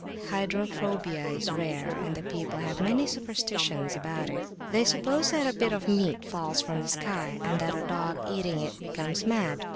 Hydrophobia is rare, and the people have many superstitions about it. They suppose that a bit of meat falls from the sky, and that a dog eating it becomes mad.